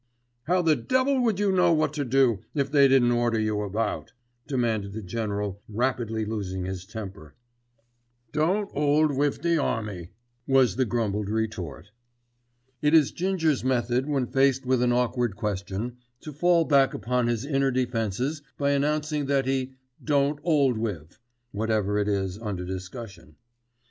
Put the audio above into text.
"How the devil would you know what to do if they didn't order you about?" demanded the General rapidly losing his temper. "Don't 'old wiv the army," was the grumbled retort. It is Ginger's method, when faced with an awkward question, to fall back upon his inner defences by announcing that he "don't 'old wiv" whatever it is under discussion.